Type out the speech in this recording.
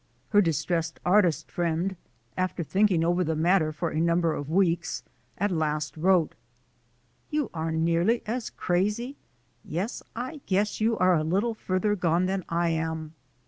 Her distressed artist friend, after thinking over the matter for a number of weeks, at last wrote : "You are nearly as crazy — yes, I guess you are a little farther gone than I am.